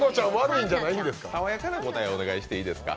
さわやかな答えお願いしてもいいですか。